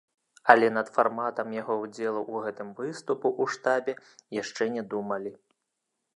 Але над фарматам яго ўдзелу ў гэтым выступу ў штабе яшчэ не думалі.